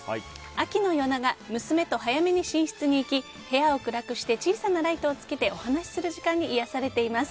秋の夜長、娘と早めに寝室に行き部屋を暗くして小さなライトをつけてお話しする時間に癒やされています。